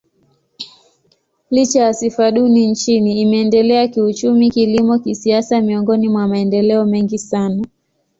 Licha ya sifa duni nchini, imeendelea kiuchumi, kilimo, kisiasa miongoni mwa maendeleo mengi sana.